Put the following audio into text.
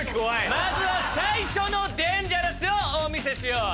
まずは最初のデンジャラスをお見せしよう！